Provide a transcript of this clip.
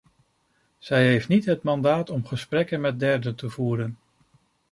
Zij heeft niet het mandaat om gesprekken met derden te voeren.